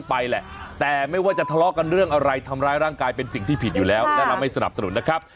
ไปแหละแต่ไม่ว่าจะทะเลาะกันเรื่องอะไรทำร้ายร่างกายเป็นสิ่งที่ผิดอยู่แล้วและเราไม่สนับสนุนนะครับ